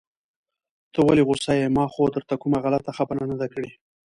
ته ولې غوسه يې؟ ما خو درته کومه غلطه خبره نده کړي.